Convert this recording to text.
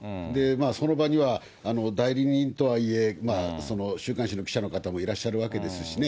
その場には、代理人とはいえ、週刊誌の記者の方もいらっしゃるわけですしね。